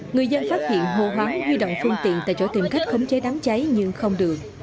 người dân phát hiện hô hoáng huy động phương tiện tại chỗ tìm cách khống chế đám cháy nhưng không được